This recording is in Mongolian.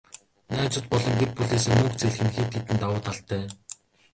Найзууд болон гэр бүлээсээ мөнгө зээлэх нь хэд хэдэн давуу талуудтай.